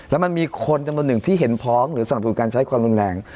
แล้วมันมีคนจำนวนหนึ่งที่เห็นพ้องหรือสนับสนุนการใช้ความรุนแรง